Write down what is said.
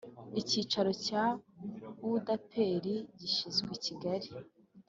Icyicaro cya U D P R gishyizwe i Kigali